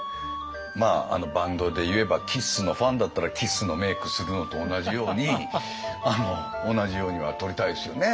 まあバンドでいえばＫＩＳＳのファンだったらＫＩＳＳのメークするのと同じように同じようには撮りたいですよね